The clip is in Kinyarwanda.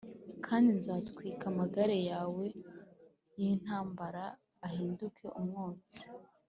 kandi nzatwika amagare yawe y’intambara ahinduke umwotsi